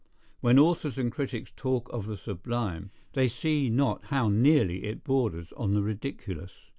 When authors and critics talk of the sublime, they see not how nearly it borders on the ridiculous.